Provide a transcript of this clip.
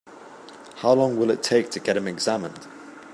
How long will it take to get him examined?